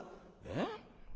「えっ！？